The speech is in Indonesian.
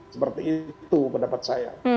seperti itu pendapat saya